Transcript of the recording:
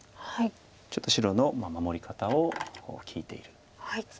ちょっと白の守り方を聞いているんです。